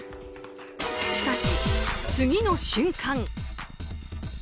しかし、次の瞬間。